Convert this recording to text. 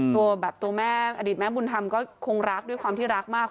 ตัวแบบตัวแม่อดีตแม่บุญธรรมก็คงรักด้วยความที่รักมาก